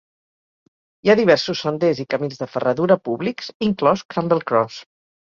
Hi ha diversos senders i camins de ferradura públics, inclòs Cramble Cross.